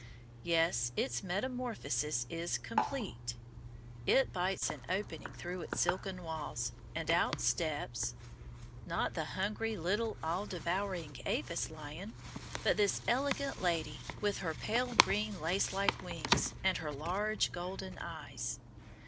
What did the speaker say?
Yes, its metamorphosis is complete. It bites an opening through its silken walls, and out steps not the hungry, little, all devouring aphis lion, but this elegant lady with her pale green lacelike wings and her large, golden eyes.